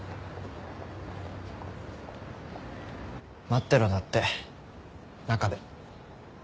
待ってろだって中で。